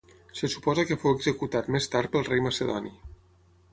Se suposa que fou executat més tard pel rei macedoni.